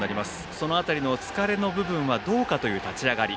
その辺りの疲れの部分はどうかという立ち上がり。